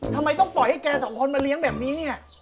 ทำไมต้องปล่อยให้แกสองคนมาเลี้ยงแบบนี้เนี่ย